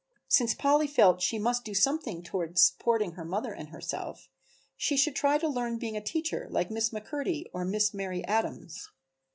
Since Polly felt that she must do something toward supporting her mother and herself, she should try to learn to be a teacher like Miss McMurtry or Miss Mary Adams.